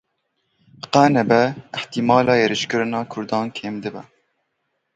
Qe nebe ihtimala êrîşkirina Kurdan kêm dibe.